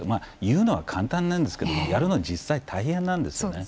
言うのは簡単なんですけどもやるのは実際大変なんですよね。